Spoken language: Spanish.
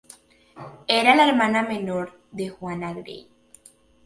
Era la hermana menor de Juana Grey.